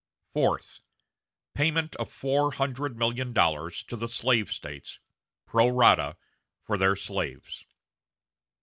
Fourth. Payment of four hundred million dollars to the slave States, pro rata, for their slaves.